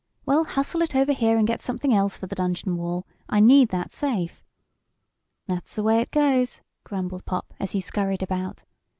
"Well, hustle it over here, and get something else for the dungeon wall. I need that safe." "That's the way it goes!" grumbled Pop as he scurried about.